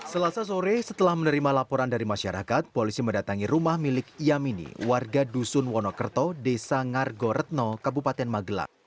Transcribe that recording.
selasa sore setelah menerima laporan dari masyarakat polisi mendatangi rumah milik yamini warga dusun wonokerto desa ngargoretno kabupaten magelang